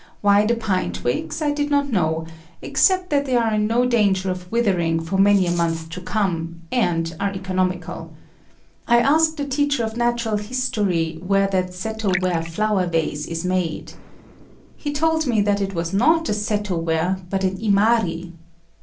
Why the pine twigs, I did not know, except that they are in no danger of withering for many a month to come, and are economical. I asked the teacher of natural history where that seto ware flower vase is made. He told me it was not a seto ware but an imari.